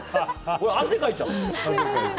俺、汗かいちゃう。